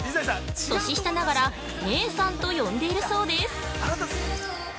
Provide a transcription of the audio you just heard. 年下ながら「姉さん」と呼んでいるそうです。